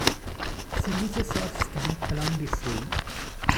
Services are scant along this road.